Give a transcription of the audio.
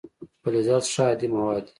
فلزات ښه هادي مواد دي.